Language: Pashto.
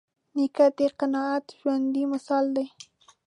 نیکه د قناعت ژوندي مثال وي.